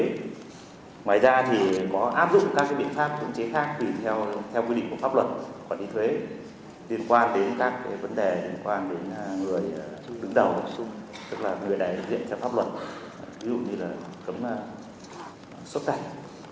ngoài ra thì nó áp dụng các biện pháp cưỡng chế khác tùy theo quy định của pháp luật quản lý thuế liên quan đến các vấn đề liên quan đến người chủ đứng đầu bổ sung tức là người đại diện cho pháp luật ví dụ như là cấm xuất cảnh